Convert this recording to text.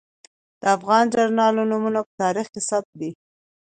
د افغان جنرالانو نومونه په تاریخ کې ثبت دي.